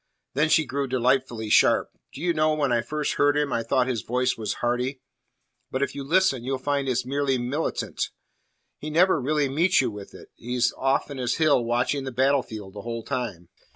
Then she grew delightfully sharp. "Do you know, when I first heard him I thought his voice was hearty. But if you listen, you'll find it's merely militant. He never really meets you with it. He's off on his hill watching the battle field the whole time."